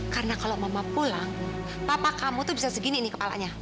karena kalau mama pulang papa kamu tuh bisa segini ini kepalanya